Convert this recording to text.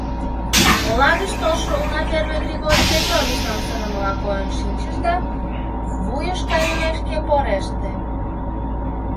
Ола гыч толшо уна первый Григорий Петровичлан сырымыла койын шинчыш да, вуйыш кайымекше, пореште.